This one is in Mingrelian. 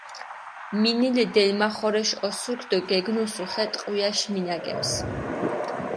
მინილჷ დელმახორეშ ოსურქ დო გინუსუ ხე ტყვიაშ მინაგემს.